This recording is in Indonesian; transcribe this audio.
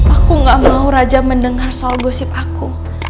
aku gak mau raja mendengar soal gosip aku